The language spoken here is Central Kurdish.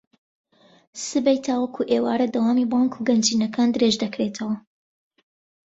سبەی تاوەکو ئێوارە دەوامی بانک و گەنجینەکان درێژدەکرێتەوە